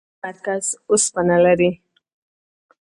د ځمکې داخلي مرکز اوسپنه لري.